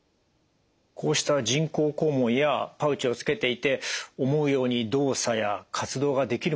こうした人工肛門やパウチをつけていて思うように動作や活動ができるものなんでしょうか？